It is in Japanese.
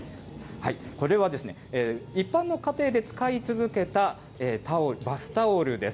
これは、一般の家庭で使い続けたバスタオルです。